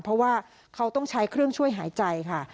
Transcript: เพราะว่าเขาต้องใช้เครื่องช่วยหายใจค่ะ